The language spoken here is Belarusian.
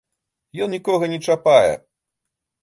Ён нікога не чапае.